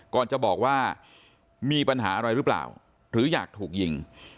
ก่อนจะบอกว่ามีปัญหาอะไรหรือเปล่าหรืออยากถูกยิง